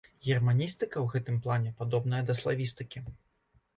Германістыка ў гэтым плане падобная да славістыкі.